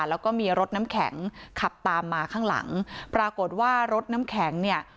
แล้วก็มีรถน้ำแข็งขับตามมาข้างหลังปรากฏว่ารถน้ำแข็งเนี่ย